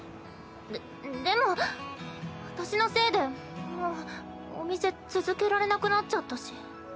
ででも私のせいでもうお店続けられなくなっちゃったし。